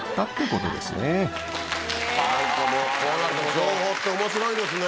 情報って面白いですね。